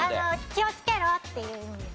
「気をつけろ」っていう意味ですね。